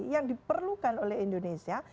yang diperlukan oleh indonesia